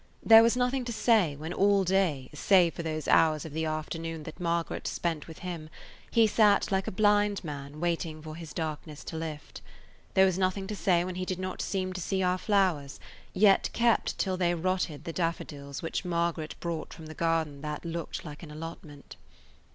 There was nothing to say when all day, save for those hours of the afternoon that Margaret spent with him, he sat like a blind man waiting for his darkness to lift. There was nothing to say when he did not seem to see our flowers, yet kept till they rotted the daffodils which Margaret brought from the garden that looked like an allotment.